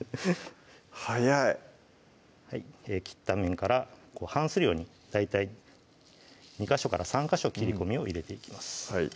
速い切った面から反するように大体２ヵ所から３ヵ所切り込みを入れていきます